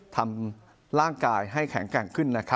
ทำร่างกายให้แข็งแกร่งขึ้น